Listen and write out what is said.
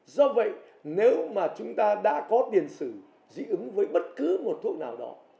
do vậy nếu mà chúng ta đã có tiền sử dị ứng với bất cứ một thuốc nào đó